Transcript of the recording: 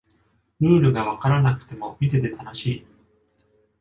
ルールがわからなくても見てて楽しい